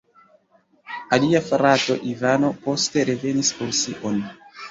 Alia frato "Ivano" poste revenis Rusion.